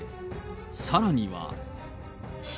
さらには。